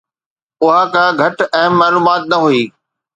اها ڪا گهٽ اهم معلومات نه هئي.